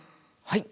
はい。